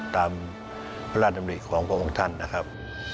ตามพระราชดำริของพระองค์ท่านนะครับ